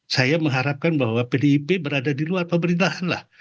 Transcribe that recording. saya mengharapkan bahwa pdip berada di luar pemerintahan lah